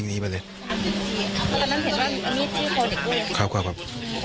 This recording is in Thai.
ในปากแล้วไงนะ